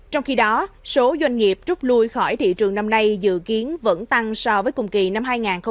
trong khi đó số doanh nghiệp trút lui khỏi thị trường năm nay dự kiến vẫn tăng so với cùng kỳ năm hai nghìn hai mươi ba